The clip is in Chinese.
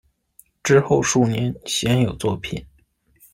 之后数年鲜有作品。